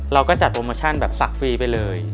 เราก็จัดโปรโมชั่นแบบศักดิ์ฟรีไปเลย